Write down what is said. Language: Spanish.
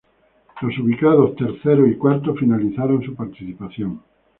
Los ubicados terceros y cuartos finalizaron su participación.